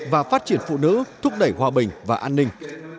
và phát triển phụ nữ thúc đẩy hòa bình và an ninh